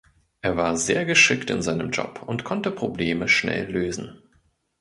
Er war sehr geschickt in seinem Job und konnte Probleme schnell lösen.